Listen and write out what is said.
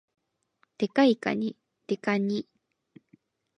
デカいかに、デカニ